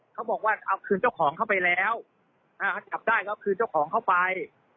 เขาบอกว่าเอาคืนเจ้าของเข้าไปแล้วจับได้เขาคืนเจ้าของเข้าไป